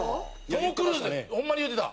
トム・クルーズホンマに言うてた。